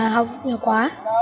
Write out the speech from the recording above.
học nhiều quá